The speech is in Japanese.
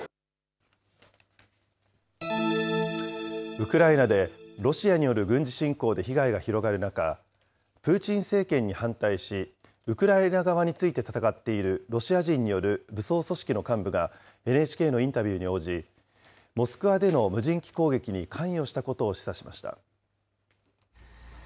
ウクライナでロシアによる軍事侵攻で被害が広がる中、プーチン政権に反対し、ウクライナ側に付いて戦っているロシア人による武装組織の幹部が、ＮＨＫのインタビューに応じ、モスクワでの無人機攻撃に関与したことを示唆しました。